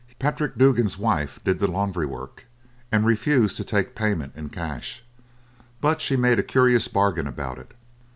Patrick Duggan's wife did the laundry work, and refused to take payment in cash. But she made a curious bargain about it.